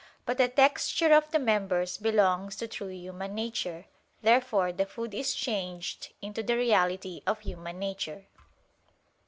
But the texture of the members belongs to true human nature. Therefore the food is changed into the reality of human nature.